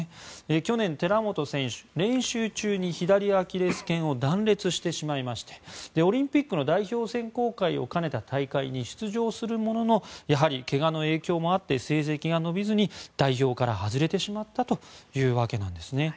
去年、寺本選手、練習中に左アキレス腱を断裂してしまいましてオリンピックの代表選考会を兼ねた大会に出場するもののやはり怪我の影響もあって成績が伸びずに代表から外れてしまったというわけなんですね。